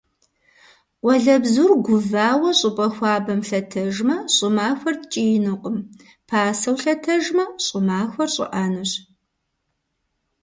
Къуалэбзур гувауэ щӏыпӏэ хуабэм лъэтэжмэ, щӏымахуэр ткӏиинукъым, пасэу лъэтэжмэ, щӏымахуэр щӏыӏэнущ.